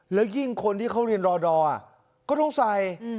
แล้วยิ่งคนที่เขาเรียนรอดอร์ก็ต้องใส่